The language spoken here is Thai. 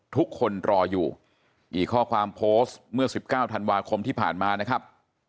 ทุกคนรออยู่อีกข้อความโพสต์เมื่อ๑๙ธันวาคมที่ผ่านมานะครับ